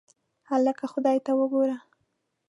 هکله خدای ته وګوره.